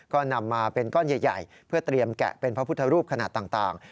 ก็นำมาเป็นก้อนใหญ่เพื่อเตรียมแกะเป็นพระพุทธรูปขนาดต่าง